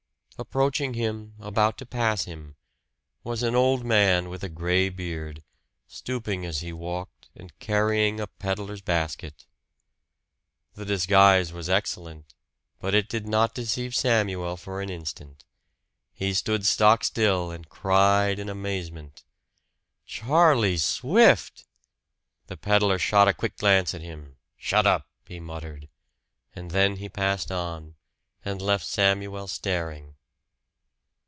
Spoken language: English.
Approaching him, about to pass him, was an old man with a gray beard, stooping as he walked and carrying a peddler's basket. The disguise was excellent, but it did not deceive Samuel for an instant. He stood stock still and cried in amazement: "Charlie Swift!" The peddler shot a quick glance at him. "Shut up!" he muttered; and then he passed on, and left Samuel staring.